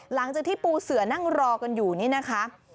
หลังจากที่ปูเสือนั่งรอกันอยู่นี่นะคะ